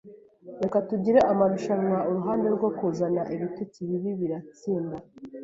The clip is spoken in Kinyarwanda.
Reka tugire amarushanwa. Uruhande rwo kuzana ibitutsi bibi biratsinda.